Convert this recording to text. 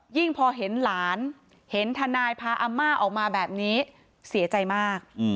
พอเห็นหลานเห็นทนายพาอาม่าออกมาแบบนี้เสียใจมาก